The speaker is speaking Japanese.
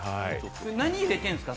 何を入れてるんですか？